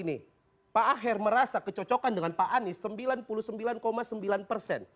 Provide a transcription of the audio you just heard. ini pak aher merasa kecocokan dengan pak anies sembilan puluh sembilan sembilan persen